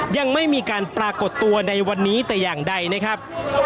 ยังไม่มีการปรากฏตัวในวันนี้แต่อย่างใดนะครับ